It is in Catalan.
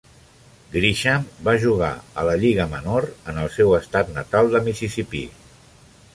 Grisham va jugar a la lliga menor en el seu estat natal de Mississippi.